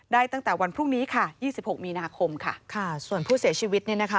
ตั้งแต่วันพรุ่งนี้ค่ะยี่สิบหกมีนาคมค่ะค่ะส่วนผู้เสียชีวิตเนี่ยนะคะ